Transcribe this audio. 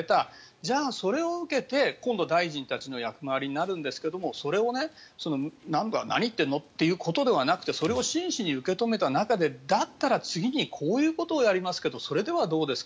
じゃあ、それを受けて今度大臣たちの役回りになるんですがそれを何言ってるの？ということではなくてそれを真摯に受け止めた中でだったら次にこういうことをやりますけどそれではどうですか？